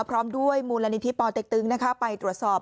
พร้อมด้วยมูลนิธิปอเต็กตึงไปตรวจสอบ